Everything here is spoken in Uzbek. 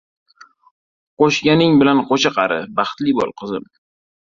Qoʻshganing bilan qoʻsha qari, baxtli boʻl, qizim.